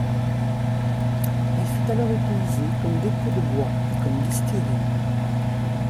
Elle fut alors utilisée comme dépôt de bois puis comme distillerie.